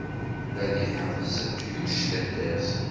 Ad yeḥrez Yuc taddart!